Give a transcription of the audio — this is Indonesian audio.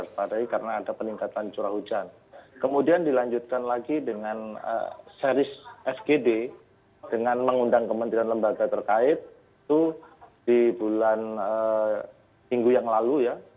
saya mengundang lagi dengan seris fgd dengan mengundang kementerian lembaga terkait itu di bulan minggu yang lalu ya